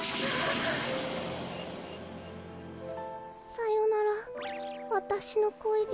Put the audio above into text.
さよならわたしの恋人。